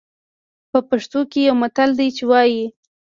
په پښتو کې يو متل دی چې وايي.